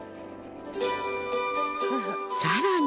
さらに